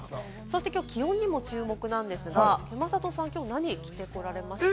気温にも注目なんですが、山里さん、きょう何着てこられました？